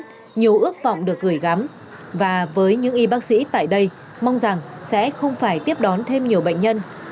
một năm mới nữa đã đến nhiều ước vọng được gửi gắm và với những y bác sĩ tại đây mong rằng sẽ không phải tiếp đón thêm nhiều bệnh nhân